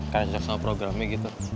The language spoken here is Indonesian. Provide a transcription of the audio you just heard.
karena susah sama programnya gitu